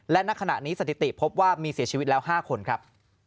และณขณะนี้สถิติพบว่ามีเสียชีวิตแล้ว๕คนครับ